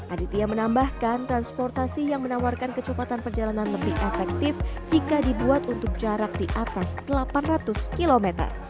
aditya menambahkan transportasi yang menawarkan kecepatan perjalanan lebih efektif jika dibuat untuk jarak di atas delapan ratus km